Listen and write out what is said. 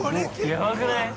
◆やばくない。